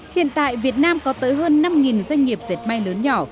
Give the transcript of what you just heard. hiện tại việt nam có tới hơn năm doanh nghiệp dệt may lớn nhỏ